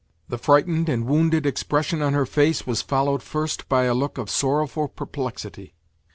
The frightened and wounded expression on her face was followed first by a look of sorrowful perplexity.